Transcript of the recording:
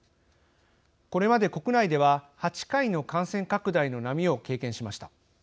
これまで国内では８回の感染拡大の波を経験しました。